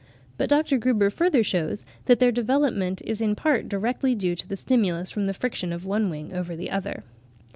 But Dr. Gruber further shews that their development is in part directly due to the stimulus from the friction of one wing over the other.